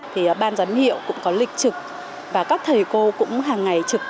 thì ban giám hiệu cũng có lịch trực và các thầy cô cũng hàng ngày trực